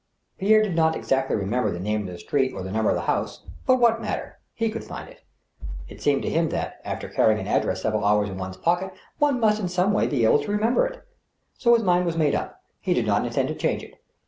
Piefre did not exactly remember the name of the street or the number of the house, but what matter ; he could find it. It seemed to him that, after carrying an address several hours in one's pocket, one must in some way be able to remember it. So his mind was made up. He did not intend to change it.